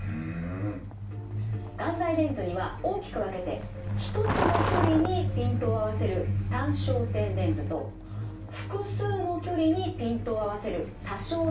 眼内レンズには大きく分けて一つの距離にピントを合わせる単焦点レンズと複数の距離にピントを合わせる多焦点レンズの２種類あります。